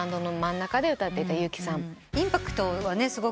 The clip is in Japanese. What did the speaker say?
インパクトはねすごく。